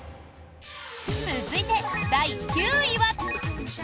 続いて、第９位は。